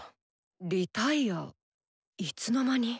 リタイアいつの間に。